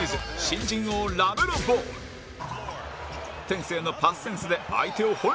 天性のパスセンスで相手を翻弄